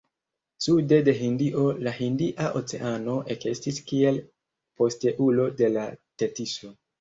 Sude de Hindio la Hindia Oceano ekestis kiel posteulo de la Tetiso.